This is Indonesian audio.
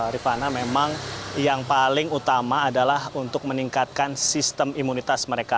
rifana memang yang paling utama adalah untuk meningkatkan sistem imunitas mereka